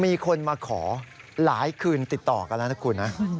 มีคนมาขอหลายคืนติดต่อกันแล้วนะคุณนะ